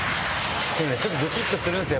ちょっとドキッとするんですよ